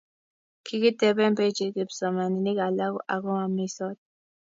kikiteben benchit kipsomaninik alak aku amisot